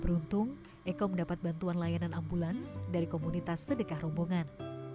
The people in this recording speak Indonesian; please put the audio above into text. beruntung eko mendapat bantuan layanan ambulans dari komunitas sedekah rombongan